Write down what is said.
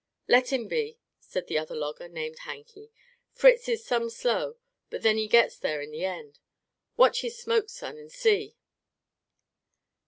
"Let him be," said the other logger, named Hanky. "Fritz is sum slow, but then he gits there in the end. Watch his smoke, son, an' see!"